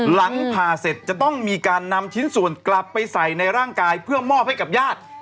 หลังผ่าเสร็จจะต้องมีการนำชิ้นส่วนกลับไปใส่ในร่างกายเพื่อมอบให้กับญาติ